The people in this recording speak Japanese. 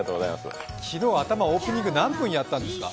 昨日はオープニング、何分やったんですか。